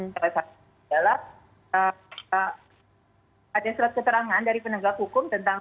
salah satu adalah ada surat keterangan dari penegak hukum tentang